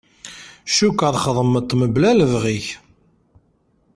Cukkeɣ txedmeḍ-t mebla lebɣi-k.